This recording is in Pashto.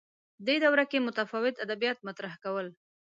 دا دوره کې متفاوت ادبیات مطرح کول